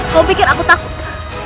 kau pikir aku takut